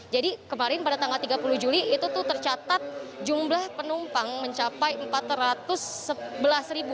jadi kemarin pada tanggal tiga puluh juli itu tercatat jumlah penumpang mencapai empat ratus sebelas ribu